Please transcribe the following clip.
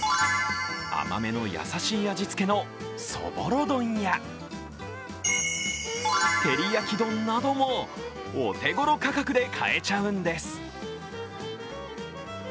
甘めの優しい味付けのそぼろ丼や照り焼き丼なども、お手ごろ価格で買えちゃうんです。